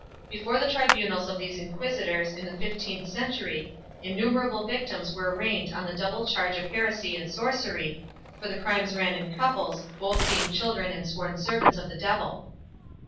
Before the tribunals of those inquisitors, in the fifteenth century, innumerable victims were arraigned on the double charge of heresy and sorcery—for the crimes ran in couples, both being children and sworn servants of the Devil.